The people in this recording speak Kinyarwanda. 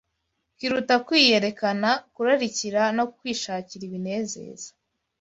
kiruta kwiyerekana, kurarikira no kwishakira ibinezeza